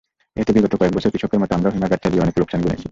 এতে বিগত কয়েক বছর কৃষকের মতো আমরাও হিমাগার চালিয়ে অনেক লোকসান গুনেছি।